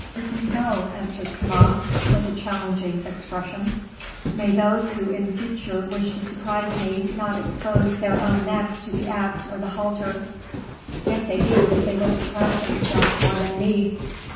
Who can tell?" answered Kama, with a challenging expression. "May those who in future wish to surprise me not expose their own necks to the axe or the halter; if they do, they will surprise themselves more than me."